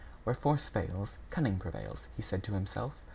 "Where force fails, cunning prevails," he said to himself.